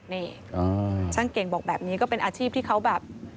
นี่ช่างเก่งบอกแบบนี้ก็เป็นอาชีพที่เขาแบบ